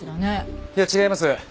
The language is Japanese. いや違います。